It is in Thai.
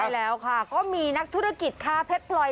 ใช่แล้วค่ะก็มีนักธุรกิจค้าเพชรพลอย